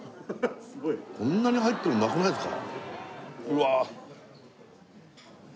すごいこんなに入ってるのなくないですか？